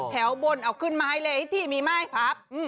บนเอาขึ้นมาให้เลยที่มีไม้พับ